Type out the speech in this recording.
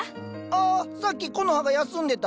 あっさっきコノハが休んでた。